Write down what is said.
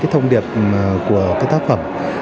thông điệp của tác phẩm